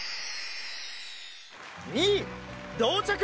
「２位同着！！